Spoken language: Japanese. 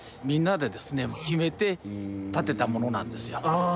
ああ